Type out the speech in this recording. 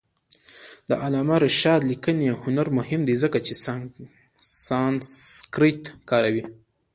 د علامه رشاد لیکنی هنر مهم دی ځکه چې سانسکریت کاروي.